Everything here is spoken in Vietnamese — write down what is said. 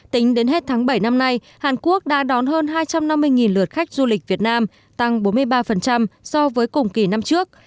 tính đến hết tháng bảy năm nay hàn quốc đã đón hơn hai trăm năm mươi lượt khách du lịch việt nam tăng bốn mươi ba so với cùng kỳ năm trước